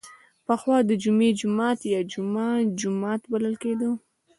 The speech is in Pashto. پخوا د جمعې جومات یا جمعه جومات بلل کیده.